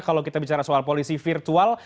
kalau kita bicara soal polisi virtual